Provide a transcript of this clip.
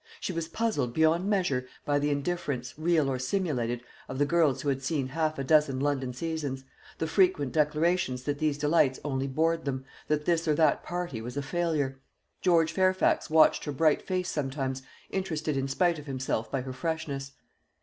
She was puzzled beyond measure by the indifference, real or simulated, of the girls who had seen half a dozen London seasons; the frequent declarations that these delights only bored them, that this or that party was a failure. George Fairfax watched her bright face sometimes, interested in spite of himself by her freshness.